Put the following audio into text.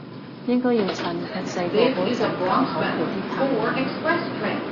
應該要趁佢細個嗰陣教好佢啲泰文